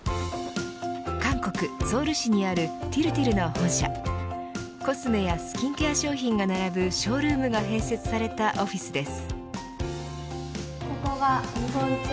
韓国、ソウル市にあるＴＩＲＴＩＲの本社コスメやスキンケア商品が並ぶショールームが併設されたオフィスです。